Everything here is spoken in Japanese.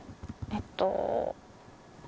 えっと。